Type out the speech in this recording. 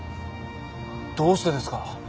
どうしてですか？